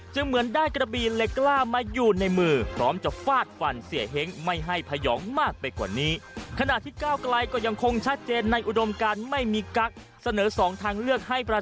จึงเหมือนได้กระบีเล็กล่ามายูนในมือ